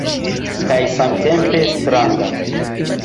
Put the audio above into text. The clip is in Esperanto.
Kaj samtempe stranga.